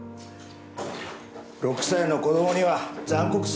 ６歳の子供には残酷すぎる。